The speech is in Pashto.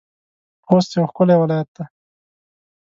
خوست يو ښکلی ولايت دی.